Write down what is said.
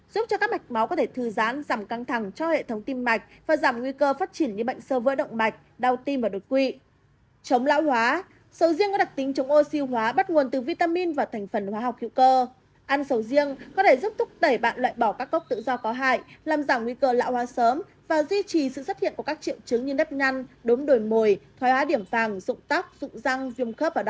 giúp cho các mạch máu có thể thư giãn giảm căng thẳng cho hệ thống tim mạch và giảm nguy cơ phát triển như bệnh sơ vỡ động mạch đau tim và đột quỵ